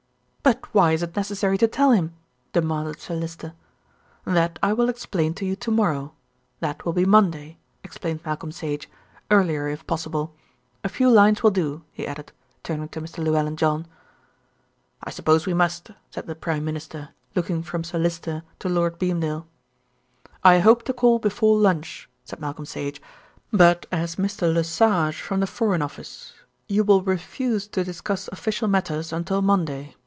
"But why is it necessary to tell him?" demanded Sir Lyster. "That I will explain to you to morrow. That will be Monday," explained Malcolm Sage, "earlier if possible. A few lines will do," he added, turning to Mr. Llewellyn John. "I suppose we must," said the Prime Minister, looking from Sir Lyster to Lord Beamdale. "I hope to call before lunch," said Malcolm Sage, "but as Mr. Le Sage from the Foreign Office. You will refuse to discuss official matters until Monday.